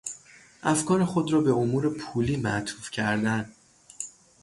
افکار خود را به امور پولی معطوف کردن